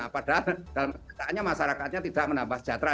padahal dalam kenyataannya masyarakatnya tidak menambah sejahtera